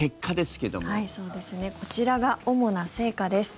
こちらが主な成果です。